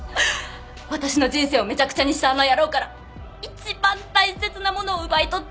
私の人生をめちゃくちゃにしたあの野郎から一番大切なものを奪い取ってやるその瞬間を。